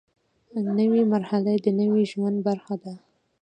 نوې مرحله د نوي ژوند برخه ده